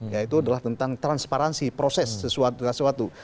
ya itu adalah tentang transparansi proses sesuatu